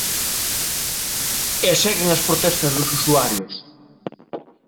E seguen as protestas dos usuarios.